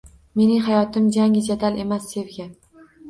Mening hayotim jangi jadal emas, sevgi